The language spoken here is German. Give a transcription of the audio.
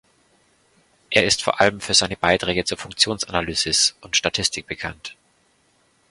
Er ist vor allem für seine Beiträge zur Funktionalanalysis und Statistik bekannt.